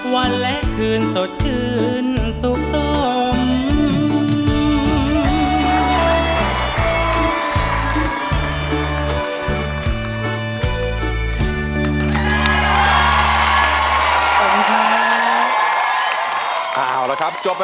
วันและคืนสดชื่นสุขสม